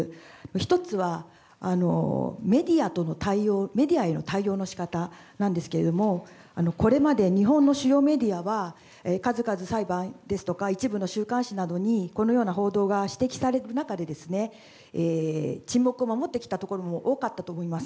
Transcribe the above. １つはメディアへの対応のしかたなんですけれども、これまで、日本の主要メディアは、数々裁判ですとか、一部の週刊誌などにこのような報道が指摘される中で、沈黙を守ってきたところも多かったと思います。